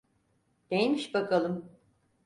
Neymiş bakalım?